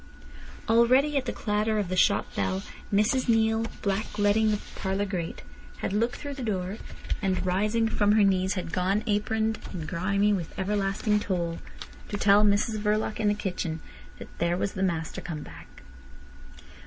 Already at the clatter of the shop bell Mrs Neale, blackleading the parlour grate, had looked through the door, and rising from her knees had gone, aproned, and grimy with everlasting toil, to tell Mrs Verloc in the kitchen that "there was the master come back."